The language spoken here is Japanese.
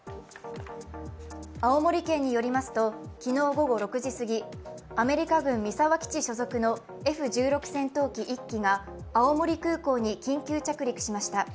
青森県によりますと、昨日午後６時過ぎ、アメリカ軍三沢基地所属のＦ１６戦闘機１機が青森空港に緊急着陸しました。